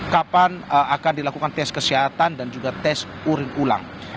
kapan akan dilakukan tes kesehatan dan juga tes urin ulang